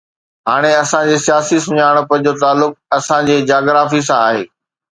هاڻي اسان جي سياسي سڃاڻپ جو تعلق اسان جي جاگرافي سان آهي.